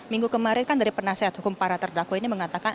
minggu kemarin kan dari penasehat hukum para terdakwa ini mengatakan